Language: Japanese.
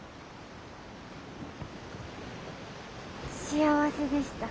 幸せでした。